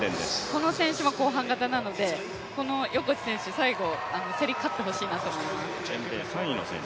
この選手も後半型なので横地選手、最後、競り勝ってほしいなと思います。